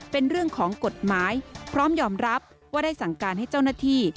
เป็นเรื่องของกฎหมายพร้อมยอมรับว่าได้สั่งการให้เจ้าหน้าที่